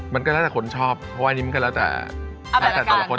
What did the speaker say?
มันก็แล้วแต่คนชอบเพราะว่าอันนี้มันก็แล้วแต่แล้วแต่แต่ละคน